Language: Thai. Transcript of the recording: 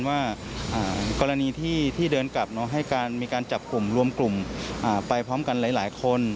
ว่ากรณีที่เดินกลับให้การมีการจับกลุ่มรวมกลุ่มไปพร้อมกันหลายคน